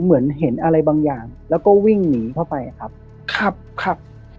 เหมือนเห็นอะไรบางอย่างแล้วก็วิ่งหนีเข้าไปครับขับขับ